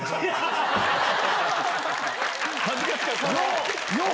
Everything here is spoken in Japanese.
恥ずかしかったんだ。